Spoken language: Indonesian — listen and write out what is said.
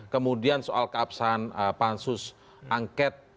kemudian soal keabsahan pansus angket